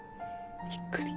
びっくり。